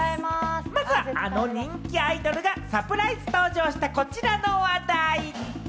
まずは、あの人気アイドルがサプライズ登場した、こちらの話題。